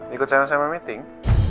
ikut sama sama meeting